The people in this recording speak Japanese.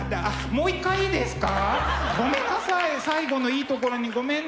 もう一回いいですか？